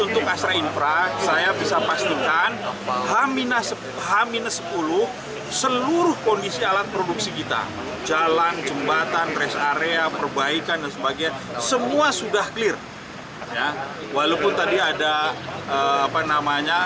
jangan lupa like share dan subscribe ya